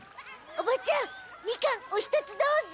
おばちゃんみかんお一つどうぞ。